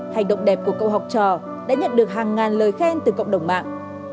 hành động đẹp của cậu học trò đã nhận được hàng ngàn lời khen từ cộng đồng mạng